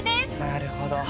なるほど。